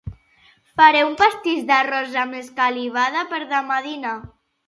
Faré un pastís d'arròs amb escalivada per demà dinar